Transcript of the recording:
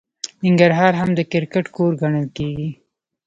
ننګرهار هم د کرکټ کور ګڼل کیږي.